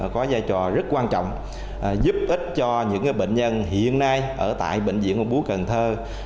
có giai trò rất quan trọng giúp ít cho những bệnh nhân hiện nay ở tại bệnh viện ung bú cần thơ